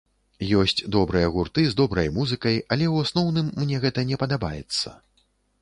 Ёсць добрыя гурты з добрай музыкай, але ў асноўным мне гэта не падабаецца.